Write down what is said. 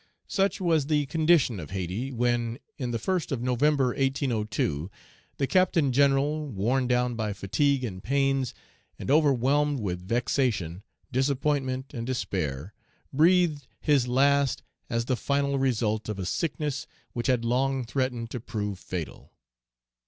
Such was the condition of Hayti, when, in the first of November, 1802, the Captain General, worn down by fatigue and pains, and overwhelmed with vexation, disappointment, and despair, breathed his last as the final result of a sickness which had long threatened to prove fatal.